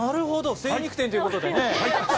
精肉店ということですね。